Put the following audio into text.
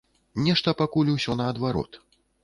Нешта пакуль усё наадварот.